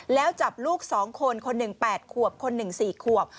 แล้วจับลูกสองคนคน๑แปดควบคน๑สี่ควบ